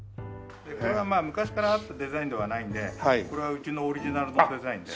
これは昔からあったデザインではないんでこれはうちのオリジナルのデザインで。